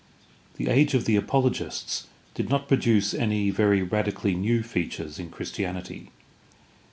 The age of the apologists did not produce any very radically new features in Christianity.